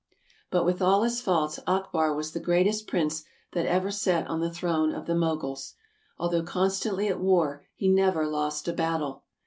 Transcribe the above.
But with all his faults Akbar was the greatest prince that ever sat on the throne of the Moguls. Although constantly at war, he never lost a battle.